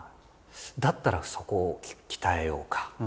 だったらそこを鍛えようか。